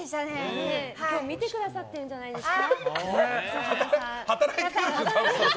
今日見てくださってるんじゃ働いてるでしょ、多分。